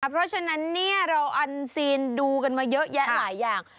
เพราะฉะนั้นเราอันซีนดูกันมาเยอะแยะหลายอย่าง